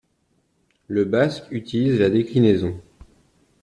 Le basque utilise la déclinaison.